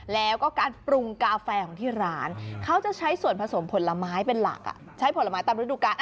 แล้วก็การปรุงกาแฟของที่ร้านเขาจะใช้ส่วนผสมผลไม้เป็นหลักใช้ผลไม้ตามฤดูกาล